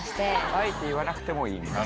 あえて言わなくてもいいみたいな？